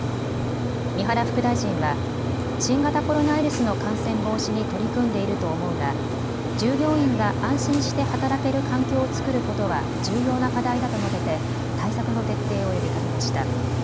三原副大臣は新型コロナウイルスの感染防止に取り組んでいると思うが従業員が安心して働ける環境を作ることは重要な課題だと述べて対策の徹底を呼びかけました。